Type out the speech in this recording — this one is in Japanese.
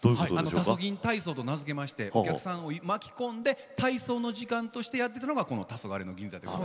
「たそぎん体操」と名付けましてお客さんを巻き込んで体操の時間としてやってたのがこの「たそがれの銀座」です。